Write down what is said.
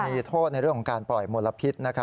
มีโทษในเรื่องของการปล่อยมลพิษ